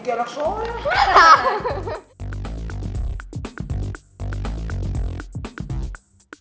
bebep mau coba enggak